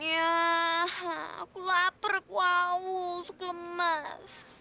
nyiah aku lapar aku awu suka lemas